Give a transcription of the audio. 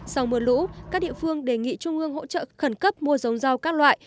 sau mưa lũ các địa phương đề nghị trung ương hỗ trợ khẩn cấp mua giống rau các loại